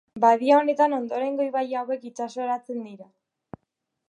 Badia honetan ondorengo ibai hauek itsasoratzen dira.